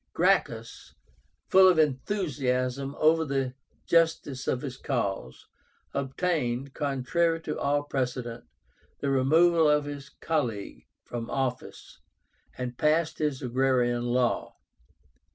Gracchus, full of enthusiasm over the justice of his cause, obtained, contrary to all precedent, the removal of his colleague from office, and passed his Agrarian Law.